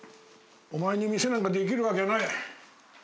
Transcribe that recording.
お前に店なんかできるわけない。